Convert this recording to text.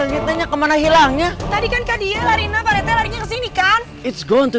kemana mana hilangnya tadi kan kan